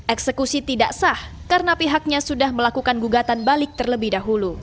eksekusi tidak sah karena pihaknya sudah melakukan gugatan balik terlebih dahulu